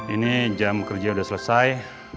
ini jam kerja sudah selesai